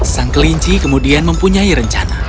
sang kelinci kemudian mempunyai rencana